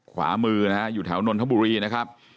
ขวามือนะฮะอยู่แถวนนทบุรีนะครับ